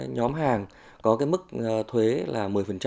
nhóm hàng có mức thuế là một mươi